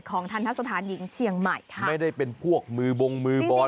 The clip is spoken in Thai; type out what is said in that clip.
ทันทะสถานหญิงเชียงใหม่ค่ะไม่ได้เป็นพวกมือบงมือบอล